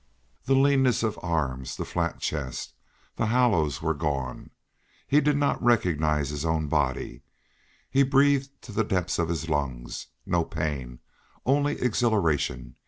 The leanness of arms, the flat chest, the hollows were gone. He did not recognize his own body. He breathed to the depths of his lungs. No pain only exhilaration!